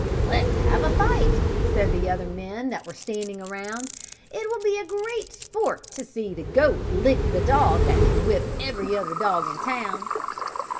"Let's have a fight," said the other men that were standing around. "It will be great sport to see the goat lick the dog that can whip every other dog in town."